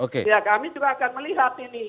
ya kami juga akan melihat ini